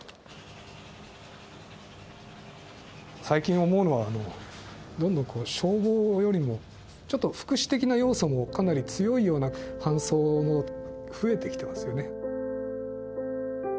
最近思うのはどんどん消防よりもちょっと福祉的な要素もかなり強いような搬送も増えてきてますよね。